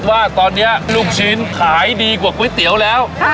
ว่าตอนนี้ลูกชิ้นขายดีกว่าก๋วยเตี๋ยวแล้ว